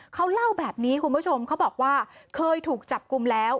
เขาเล่าแบบนี้คุณผู้ชมเขาบอกว่าเคยถูกจับกลุ่มแล้ว